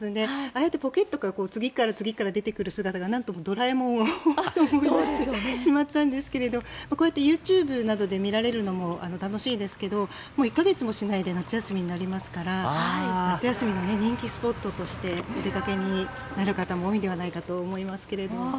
ああやってポケットから次から次へと出てくる姿がなんともドラえもんを思い出してしまったんですけどこうやってＹｏｕＴｕｂｅで見られるもの楽しいですけど１か月もしないで夏休みになりますから夏休みの人気スポットとしてお出かけになる方も多いんではないかと思いますけれども。